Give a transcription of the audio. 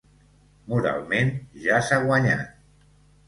Moralment, ja s’ha guanyat.